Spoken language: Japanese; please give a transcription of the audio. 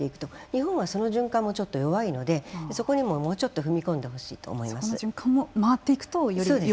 日本はその循環が弱いのでそこにも、もうちょっと踏み込んでほしいと思います。